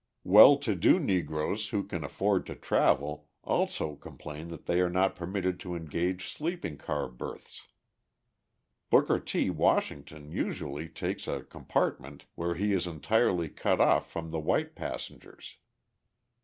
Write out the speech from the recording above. Well to do Negroes who can afford to travel, also complain that they are not permitted to engage sleeping car berths. Booker T. Washington usually takes a compartment where he is entirely cut off from the white passengers.